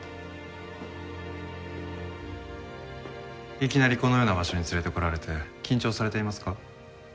いきなりこのような場所に連れてこられて緊張されていますか？